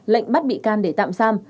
lệnh bắt bị can để tạm xam